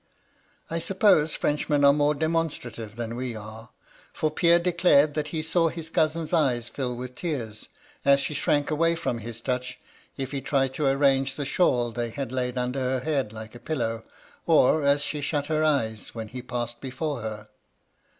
I suppose Frenchmen are more demon strative than we are ; for Pierre declared that he saw his cousin's eyes fill with tears, as she shrank away from his touch, if he tried to arrange the shawl they had laid under her head like a pillow, or as she shut her eyes when he passed before her.